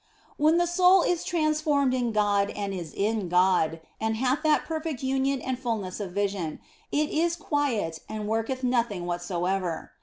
When the soul is transformed in God and is in God, and hath that perfect union and fulness of vision, it is quiet and worketh nothing whatsoever.